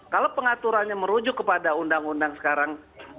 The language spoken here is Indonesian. kalau pengaturannya merujuk kepada undang undang sekarang dua ribu dua